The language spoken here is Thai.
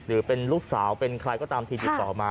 หรือเป็นลูกสาวเป็นใครก็ตามทีติดต่อมา